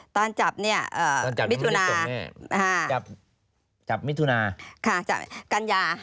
ตอนจับนี้มิทุนา